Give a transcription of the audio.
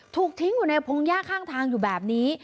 ถูกทิ้งอยู่ในพงหญ้าข้างทางอยู่แบบนี้